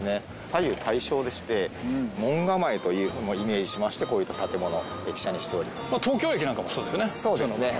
左右対称でして門構えというイメージしましてこういった建物駅舎にしております。